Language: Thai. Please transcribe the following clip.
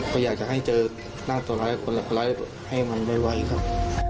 ก็อยากจะให้เจอหน้าตัวร้ายคนร้ายให้มันไวครับ